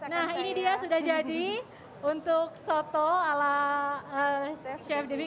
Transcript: nah ini dia sudah jadi untuk soto ala chef chef